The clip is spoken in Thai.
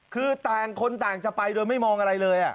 คือต่างคนต่างจะไปโดยไม่มองอะไรเลย